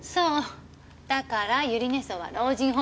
だから百合根荘は老人ホームじゃないの。